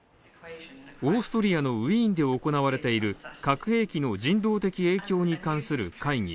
オーストリアのウィーンで行われている核兵器の人道的影響に関する会議。